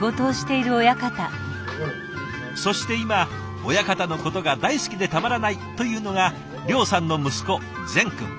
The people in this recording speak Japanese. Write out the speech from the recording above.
そして今親方のことが大好きでたまらないというのが諒さんの息子禅君。